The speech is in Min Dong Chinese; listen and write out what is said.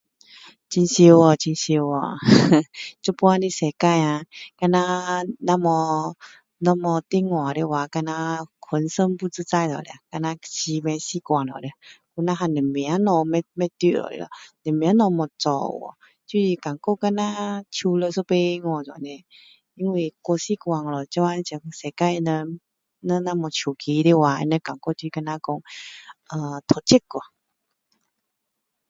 很常哦很常哦哈现在的世界啊就像若没若没电话的话就像浑身不自在那样就像很不习惯以为什么东西不不对的咯什么东西没做掉就是感觉就像手掉一边去这样因为太习惯了现在世界的人若没有手机的话他们感觉就像说呃脱节去